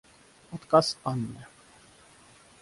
Отказ Анны.